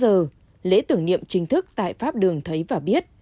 một mươi tám h lễ tưởng niệm chính thức tại pháp đường thấy và biết